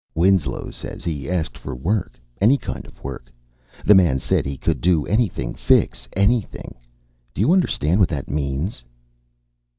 Winslow says he asked for work, any kind of work. The man said he could do anything, fix anything. Do you understand what that means?"